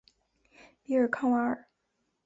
比尔康瓦尔。